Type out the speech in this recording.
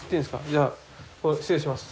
じゃあ失礼します。